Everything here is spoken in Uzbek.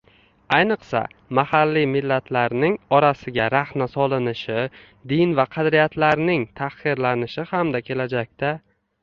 Ayniqsa, mahalliy millatlarning orasiga rahna solinishi, din va qadriyatlarning tahqirlanishi hamda kelajakda